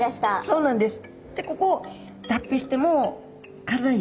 そうなんです。